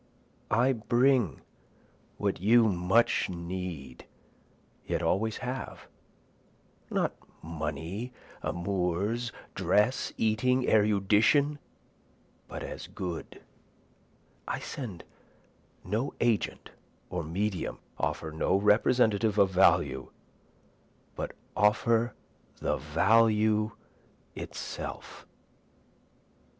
I bring what you much need yet always have, Not money, amours, dress, eating, erudition, but as good, I send no agent or medium, offer no representative of value, but offer the value itself.